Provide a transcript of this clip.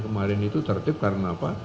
kemarin itu tertib karena apa